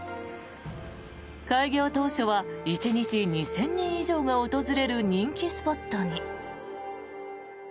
開業当初は１日２０００人以上が訪れる人気スポットに。